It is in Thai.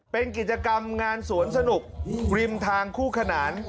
เป็นกิจกรรมงานสวนสนุกริมทางคู่ขนาน